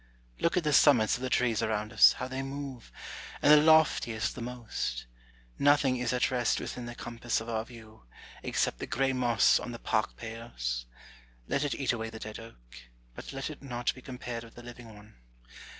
Look at the summits of the trees around us, how they move, and the loftiest the most : nothing is at rest within the compass of our view, except the grey moss on the park pales. Let it eat away the dead oak, but let it not be compared with the living one.